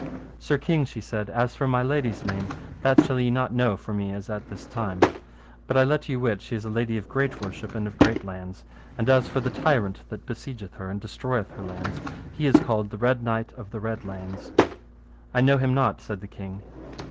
Sir king, she said, as for my lady's name that shall not ye know for me as at this time, but I let you wit she is a lady of great worship and of great lands; and as for the tyrant that besiegeth her and destroyeth her lands, he is called the Red Knight of the Red Launds. I know him not, said the king.